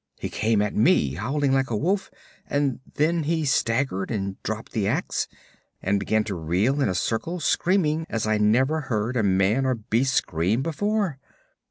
He came at me, howling like a wolf and then he staggered and dropped the ax, and began to reel in a circle screaming as I never heard a man or beast scream before.